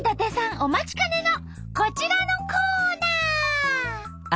お待ちかねのこちらのコーナー！